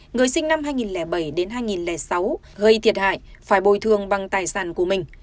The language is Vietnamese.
người sinh năm hai nghìn bảy đến hai nghìn sáu gây thiệt hại phải bồi thường bằng tài khoản